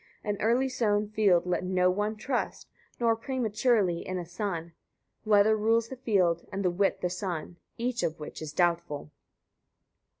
An early sown field let no one trust, nor prematurely in a son: weather rules the field, and wit the son, each of which is doubtful; 89.